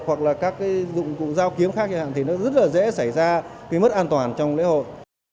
hoặc là các cái dụng cụ giao kiếm khác chẳng hạn thì nó rất là dễ xảy ra cái mất an toàn trong lễ hội